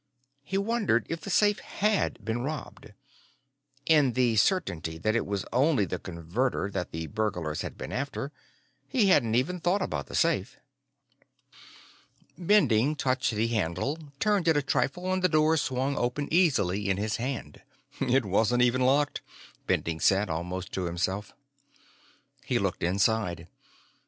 He wondered if the safe had been robbed. In the certainty that it was only the Converter that the burglars had been after, he hadn't even thought about the safe. Bending touched the handle, turned it a trifle, and the door swung open easily in his hand. "It wasn't even locked," Bending said, almost to himself. He looked inside.